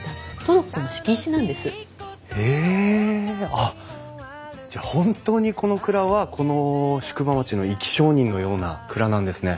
あっじゃあ本当にこの蔵はこの宿場町の生き証人のような蔵なんですね。